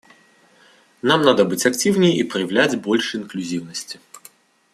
Нам надо быть активней и проявлять больше инклюзивности.